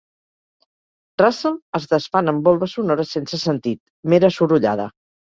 Russell es desfan en volves sonores sense sentit, mera sorollada.